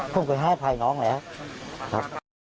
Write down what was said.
ผมเคยให้อภัยน้องแล้วครับ